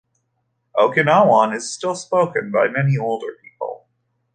Okinawan is still spoken by many older people.